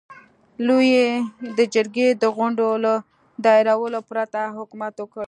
لويي د جرګې د غونډو له دایرولو پرته حکومت وکړ.